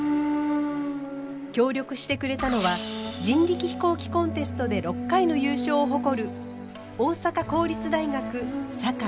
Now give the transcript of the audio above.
協力してくれたのは人力飛行機コンテストで６回の優勝を誇る大阪公立大学堺・風車の会。